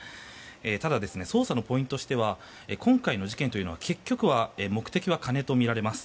ただ、捜査のポイントとしては今回の事件というのは結局は目的は金とみられます。